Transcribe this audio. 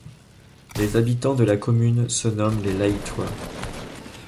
Les habitants de la commune se nomment les Lahittois.